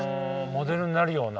モデルになるような。